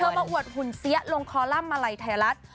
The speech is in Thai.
มาอวดหุ่นเสี้ยลงคอลัมป์มาลัยไทยรัฐ